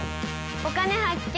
「お金発見」。